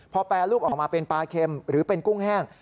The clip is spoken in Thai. พอแปรรูปออกมาเป็นปลาเค็มหรือเป็นกุ้งแห้ง